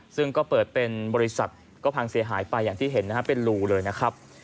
ซึ่งก็เปิดเป็นบริษัทก็พังเสียหายไปอย่างที่เห็นนะครับเป็นรูเลยนะครับ